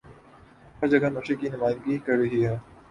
ہر جگہ مشرق کی نمائندہ کرہی ہیں